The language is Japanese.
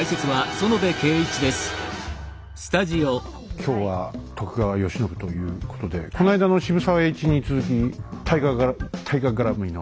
今日は徳川慶喜ということでこないだの渋沢栄一に続き大河がら大河絡みの。